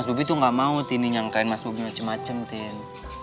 mas bobby tuh enggak mau tini nyangkain mas bobby macem macem tin